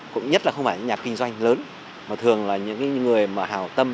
cũng nhất là không phải những nhà kinh doanh lớn mà thường là những người mà hào tâm